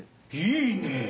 いいねぇ！